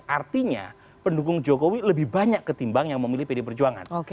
artinya pendukung jokowi lebih banyak ketimbang yang memilih pdi perjuangan